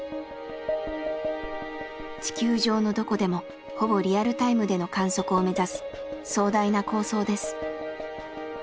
地球上のどこでもほぼリアルタイムでの観測を目指す壮大な構想です。